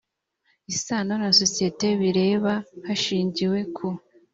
isano na sosiyete bireba hashingiwe ku